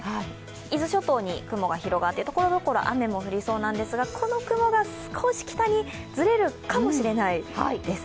伊豆諸島に雲が広がって、所々雨も降りそうなんですが、この雲が少し北にずれるかもしれないです。